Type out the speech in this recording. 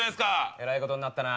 えらいことになったな。